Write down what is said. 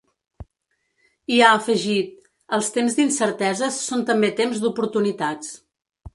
I ha afegit: Els temps d’incerteses són també temps d’oportunitats.